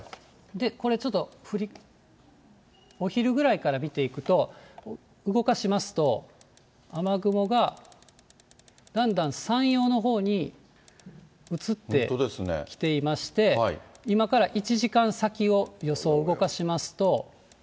これ、ちょっとお昼ぐらいから見ていくと、動かしますと、雨雲がだんだん山陽のほうに移ってきていまして、今から１時間先を予想、動かしますと。